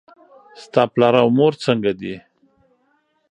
ستا پلار او مور څنګه دي؟